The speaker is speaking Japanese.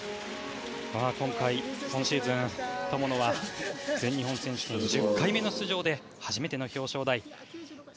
今シーズン、友野は全日本選手権１０回目の出場で初めての表彰台。